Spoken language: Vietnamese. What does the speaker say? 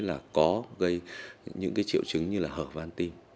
là có gây những cái triệu chứng như là hở van tim